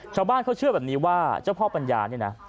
ชาวบ้านเขาเชื่อแบบนี้ว่าเจ้าพ่อปัญญานี่นะ